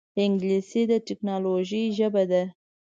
انګلیسي د ټکنالوجۍ ژبه ده